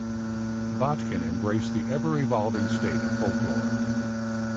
Botkin embraced the ever-evolving state of folklore.